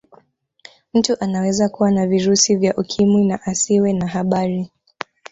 Mtu anaweza kuwa na virusi vya ukimwi na asiwe na habari